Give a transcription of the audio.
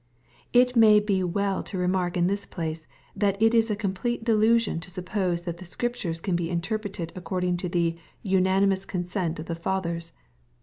It may be well to remark in this place, that it is a complete delu sion to suppose that the Scriptures can be interpreted according to the " nnanimc us consent of the Fathers."